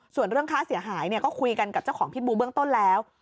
ส่วนเรื่องค่าเสียหายก็คุยกันกับเจ้าของพิษบูเบื้องต้นแล้ว